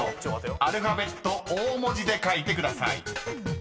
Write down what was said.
［アルファベット大文字で書いてください］